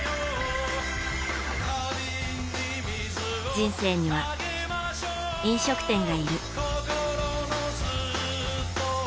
人生には、飲食店がいる。